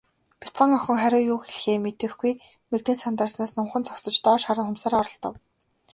Бяцхан охин хариу юу хэлэхээ мэдэхгүй, мэгдэн сандарснаас номхон зогсож, доош харан хумсаараа оролдов.